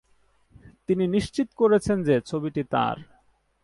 তিনি নিশ্চিত করেছেন যে ছবিটি তার।